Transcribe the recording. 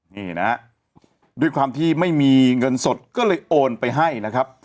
นี่นะฮะด้วยความที่ไม่มีเงินสดก็เลยโอนไปให้นะครับ